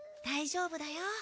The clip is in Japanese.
大丈夫だよ。